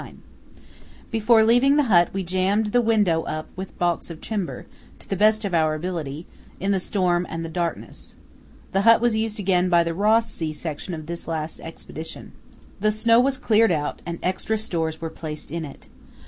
Before leaving the hut we jammed the window up with baulks of timber, to the best of our ability, in the storm and darkness. The hut was used again by the Ross Sea Section of this last Expedition. The snow was cleared out and extra stores were placed in it.